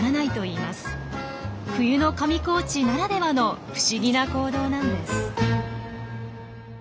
冬の上高地ならではの不思議な行動なんです。